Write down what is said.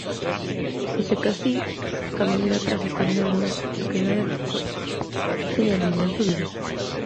E secasí, cando miro atrás e pondero aquela época, teño as miñas dúbidas.